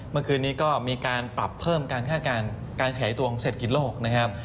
เมื่อคืนนี้ก็มีการปรับเพิ่มการคาดการณ์การขยายตัวของเศรษฐกิจโลกนะครับ